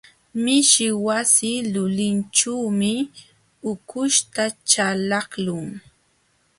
Mishi wasi lulinćhuumi ukuśhta chalaqlun.